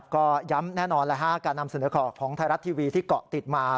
ก็ย้ำแน่นอนการนำเสนอข่าวของไทยรัฐทีวีที่เกาะติดมา